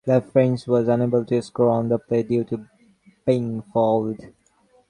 LaFrentz was unable to score on the play due to being fouled.